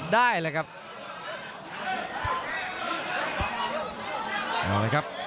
ได้เลยครับ